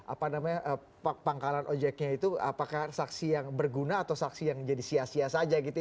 apa namanya pangkalan ojeknya itu apakah saksi yang berguna atau saksi yang jadi sia sia saja gitu ya